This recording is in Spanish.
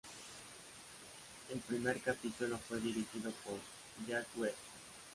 El primer capítulo fue dirigido por Jack Webb.